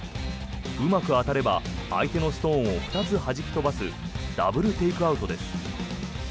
うまく当たれば相手のストーンを２つはじき飛ばすダブル・テイクアウトです。